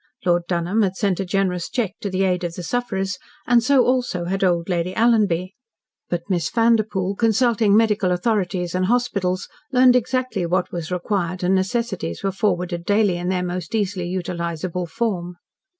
Lord Dunholm had sent a generous cheque to the aid of the sufferers, and so, also, had old Lady Alanby, but Miss Vanderpoel, consulting medical authorities and hospitals, learned exactly what was required, and necessities were forwarded daily in their most easily utilisable form.